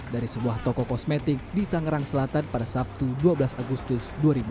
dari sebuah toko kosmetik di tangerang selatan pada sabtu dua belas agustus dua ribu dua puluh